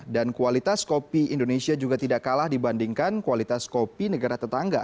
dan kualitas kopi indonesia juga tidak kalah dibandingkan kualitas kopi negara tetangga